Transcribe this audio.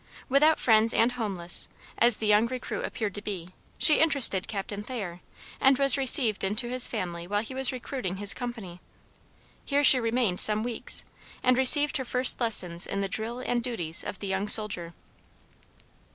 Without friends and homeless, as the young recruit appeared to be, she interested Captain Thayer, and was received into his family while he was recruiting his company. Here she remained some weeks, and received her first lessons in the drill and duties of the young soldier.